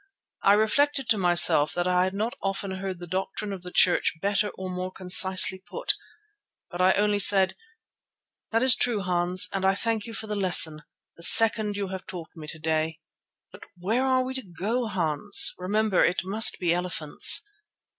I reflected to myself that I had not often heard the doctrine of the Church better or more concisely put, but I only said: "That is true, Hans, and I thank you for the lesson, the second you have taught me to day. But where are we to go to, Hans? Remember, it must be elephants."